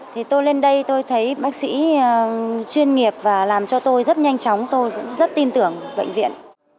thì tôi lên đây tôi thấy bác sĩ chuyên nghiệp và làm cho tôi rất nhanh chóng tôi cũng rất tin tưởng bệnh viện